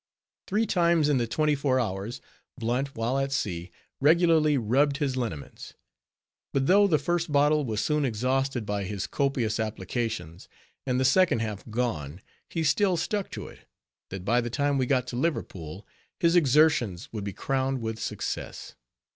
Three times in the twenty four hours, Blunt, while at sea, regularly rubbed in his liniments; but though the first bottle was soon exhausted by his copious applications, and the second half gone, he still stuck to it, that by the time we got to Liverpool, his exertions would be crowned with success.